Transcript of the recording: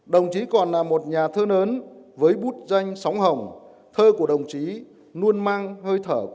đồng chí còn là một nhà thơ lớn với bút danh sóng hồng thơ của đồng chí luôn mang hơi thở của đồng chí